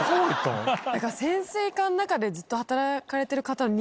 潜水艦の中でずっと働かれてる方の。